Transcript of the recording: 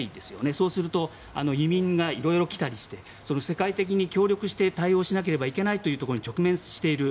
そうすると移民が色々来たりして世界的に協力して対応しなければいけないというところに直面している。